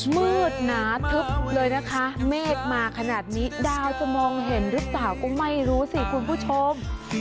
มืดหนาทึบเลยนะคะเมฆมาขนาดนี้ดาวจะมองเห็นหรือเปล่าก็ไม่รู้สิคุณผู้ชม